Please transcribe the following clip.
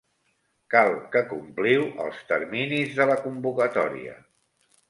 Cal que compliu els terminis de la convocatòria.